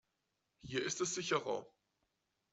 Hier ist es sicherer.